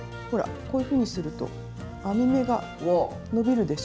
こういうふうにすると編み目が伸びるでしょ！